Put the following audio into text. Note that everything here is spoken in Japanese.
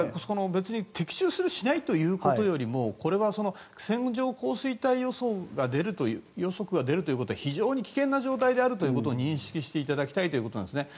別に的中するしないということよりもこれは線状降水帯予測が出るということは非常に危険な状態であるということを認識していただきたいということなんですね。